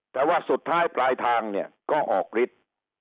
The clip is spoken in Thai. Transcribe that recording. แต่ว่าสุดท้ายปลายทางเนี่ยก็ออกฤทธิ์